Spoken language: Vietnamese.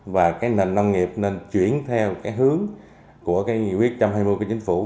và cái nền nông nghiệp nên chuyển theo cái hướng của cái nghị quyết trong hai mươi của chính phủ